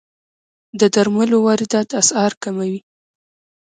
د درملو واردات اسعار کموي.